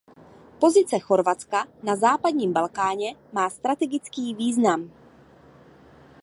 Pozice Chorvatska na západním Balkáně má strategický význam.